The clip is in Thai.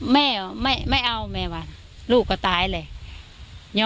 แม่ไม่เอาแม่ว่าลูกก็ตายเลย